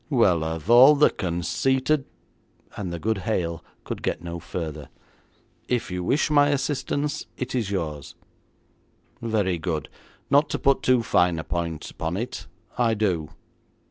'Well, of all the conceited ' and the good Hale could get no further. 'If you wish my assistance, it is yours.' 'Very good. Not to put too fine a point upon it, I do.'